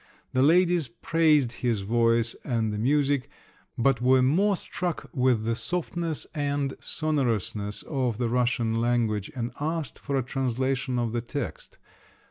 The ladies praised his voice and the music, but were more struck with the softness and sonorousness of the Russian language and asked for a translation of the text.